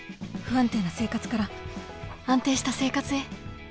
不安定な生活から安定した生活へ